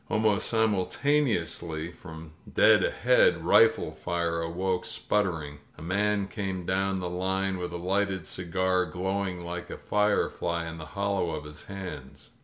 Almost simultaneously from dead ahead rifle fire awoke sputtering. A man came down the line with a lighted cigar glowing like a firefly in the hollow of his hands.